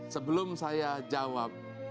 sebelum saya jawab